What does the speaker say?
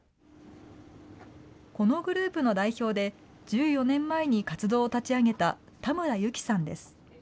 このグループの代表で、１４年前に活動を立ち上げた田村有希さんです。